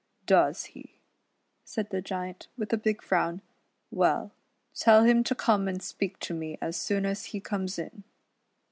" Does he," said the Giant, with a big frown, " well, tell him to come and speak to me as soon as he comes in."